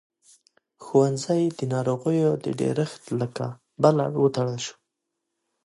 ښوونځی د ناروغيو د ډېرښت له کبله وتړل شو.